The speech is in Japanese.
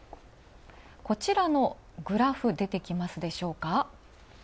こちらのグラフ、出てきますでしょうか。